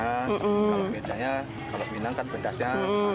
kalau bedanya kalau minang kan pedasnya